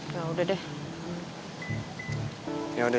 ya udah deh